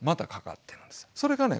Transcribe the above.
それがね